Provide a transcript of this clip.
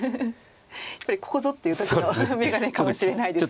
やっぱりここぞっていう時の眼鏡かもしれないですね。